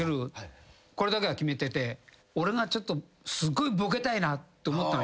これだけは決めてて俺がちょっとすごいボケたいなと思ったのよ。